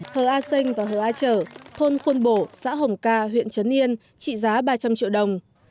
hờ a sinh và hờ a trở thôn khuôn bổ xã hồng ca huyện trấn yên trị giá ba trăm linh triệu đồng